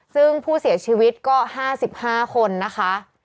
ซึ่งผู้เสียชีวิตก็๕๕คนนะคะ